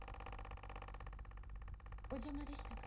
お邪魔でしたか？